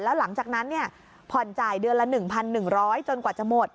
แล้วหลังจากนั้นผ่อนจ่ายเดือนละ๑๑๐๐จนกว่าจะหมด